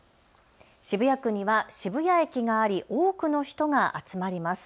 渋谷区には渋谷駅があり多くの人が集まります。